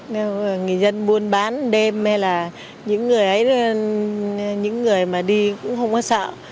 nếu người dân buôn bán đêm hay là những người ấy những người mà đi cũng không có sợ